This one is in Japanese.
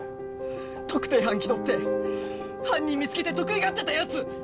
特定班きどって犯人見つけて得意がってたやつ